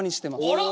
あら！？